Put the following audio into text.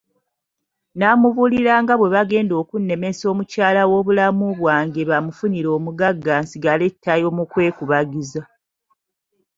Namubuulira nga bwe bagenda okunnemesa omukyala w'obulamu bwange bamufunire omugagga nsigale ttayo mu kwekubagiza.